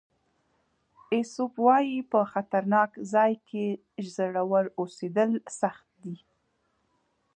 ایسوپ وایي په خطرناک ځای کې زړور اوسېدل سخت دي.